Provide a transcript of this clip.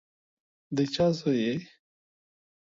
د چا زوی یې؟